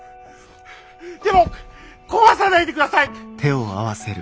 でも壊さないでください！